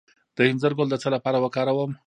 د انځر ګل د څه لپاره وکاروم؟